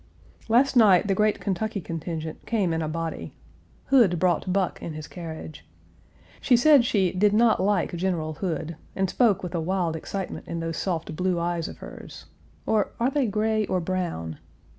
" Last night, the great Kentucky contingent came in a body. Hood brought Buck in his carriage. She said she "did not like General Hood," and spoke with a wild excitement in those soft blue eyes of hers or, are they gray or brown?